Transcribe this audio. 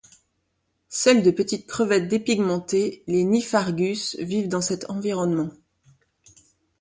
Seules de petites crevettes dépigmentées, les niphargus vivent dans cet environnement.